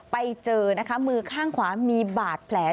ไปเจอนะคะมือข้างขวามีบาดแผล